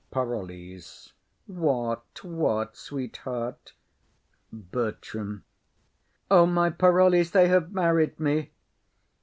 PAROLLES. What, what, sweetheart? BERTRAM. O my Parolles, they have married me!